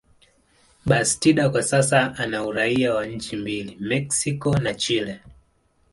Bastida kwa sasa ana uraia wa nchi mbili, Mexico na Chile.